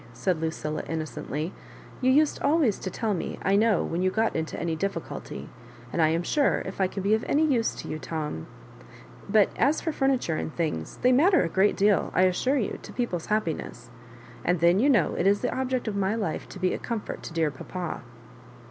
said Lucilla, innocently; "you used always to tell me, I know, when you got into any difficulty ; and I am sure if I can be of any use to you, Tom . But as for furniture and things, they matter a great deal, I assure you, to people's happiness; and then, you know, it is the object of my life to be a comfort to dear papa."